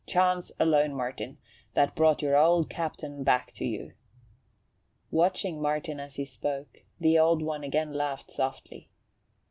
Chance alone, Martin, that brought your old captain back to you." Watching Martin, as he spoke, the Old One again laughed softly.